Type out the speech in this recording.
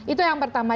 itu yang pertama